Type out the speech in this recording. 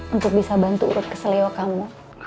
untuk bisa bantu urut ke selewa kamu